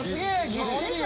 ぎっしりや。